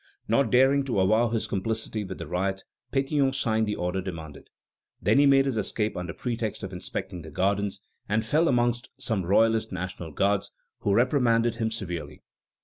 Not daring to avow his complicity with the riot, Pétion signed the order demanded. Then he made his escape under pretext of inspecting the gardens, and fell amongst some royalist National Guards, who reprimanded him severely.